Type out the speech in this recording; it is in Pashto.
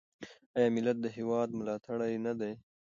آیا ملت د هیواد ملاتړی نه دی؟